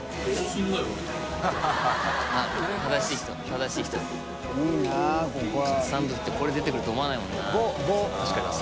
カツサンドって言ってこれ出てくると思わないもんな。